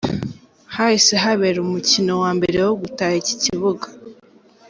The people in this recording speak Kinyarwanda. Hahise habera umukino wa mbere wo gutaha iki kibuga.